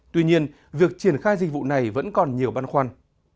tuy nhiên việc triển khai dịch vụ này vẫn còn nhiều băn khoăn